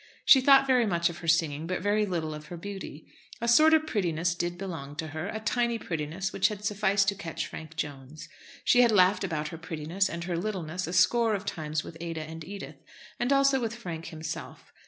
She thought very much of her singing, but very little of her beauty. A sort of prettiness did belong to her; a tiny prettiness which had sufficed to catch Frank Jones. She had laughed about her prettiness and her littleness a score of times with Ada and Edith, and also with Frank himself.